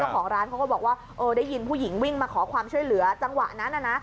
ของร้านเขาก็บอกว่าเออได้ยินผู้หญิงวิ่งมาขอความช่วยเหลือจังหวะนั้นน่ะนะ